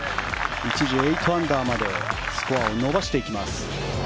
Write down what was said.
一時、８アンダーまでスコアを伸ばしていきます。